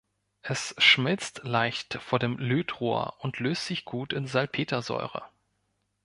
Es schmilzt leicht vor dem Lötrohr und löst sich gut in Salpetersäure.